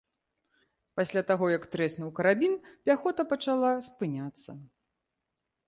Пасля таго, як трэснуў карабін, пяхота пачала спыняцца.